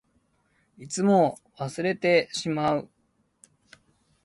いつも忘れてしまう。